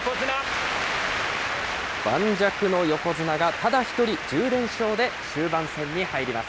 盤石の横綱がただ一人、１０連勝で終盤戦に入ります。